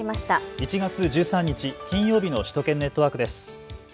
１月１３日、金曜日の首都圏ネットワークです。